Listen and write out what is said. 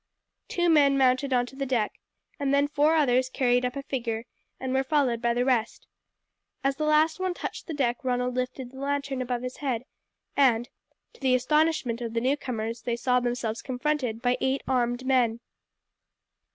Two men mounted on to the deck, and then four others carried up a figure and were followed by the rest. As the last one touched the deck Ronald lifted the lantern above his head, and, to the astonishment of the newcomers, they saw themselves confronted by eight armed men.